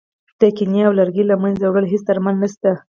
د کینې او کرکې له منځه وړلو هېڅ درمل نه شته.